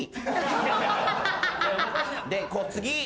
で次。